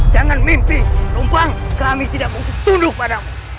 jangan mimpi rompa kami tidak mampu tunduk padamu